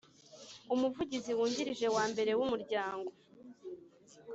Umuvugizi wungirije wa mbere w Umuryango